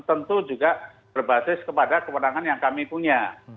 tentu juga berbasis kepada kewenangan yang kami punya